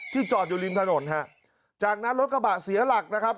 จอดอยู่ริมถนนฮะจากนั้นรถกระบะเสียหลักนะครับ